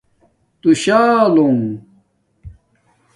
تُشالنݣ